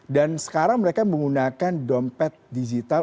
dan sekarang mereka menggunakan dompet digital